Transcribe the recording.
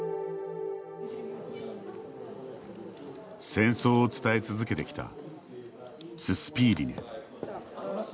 戦争を伝え続けてきたススピーリネ。